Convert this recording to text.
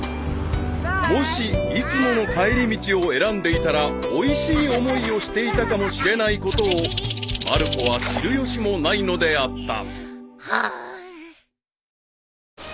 ［もしいつもの帰り道を選んでいたらおいしい思いをしていたかもしれないことをまる子は知る由もないのであった］